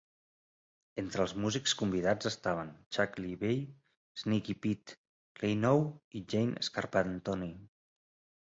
Entre els músics convidats estaven Chuck Leavell, Sneaky Pete Kleinow i Jane Scarpantoni.